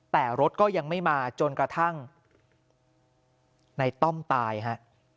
แต่รถก็ยังไม่มาจนกระทั่งในต้อมตายฮะ